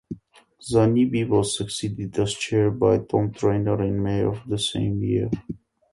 Zanibbi was succeeded as chair by Tom Trainor in May of the same year.